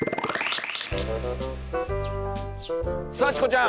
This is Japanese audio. さあチコちゃん。